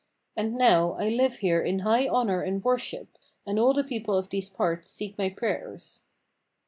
And now I live here in high honour and worship, and all the people of these parts seek my prayers."